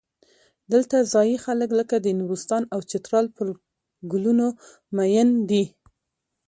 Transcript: دلته ځايي خلک لکه د نورستان او چترال پر ګلونو مین دي.